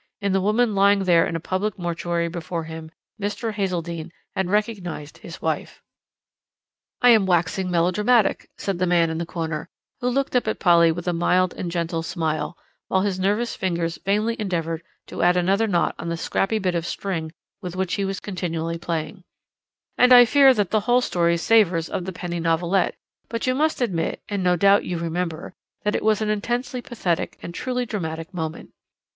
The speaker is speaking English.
In the woman lying there in a public mortuary before him, Mr. Hazeldene had recognized his wife. "I am waxing melodramatic," said the man in the corner, who looked up at Polly with a mild and gentle smile, while his nervous fingers vainly endeavoured to add another knot on the scrappy bit of string with which he was continually playing, "and I fear that the whole story savours of the penny novelette, but you must admit, and no doubt you remember, that it was an intensely pathetic and truly dramatic moment.